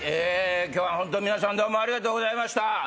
今日はホント皆さんどうもありがとうございました。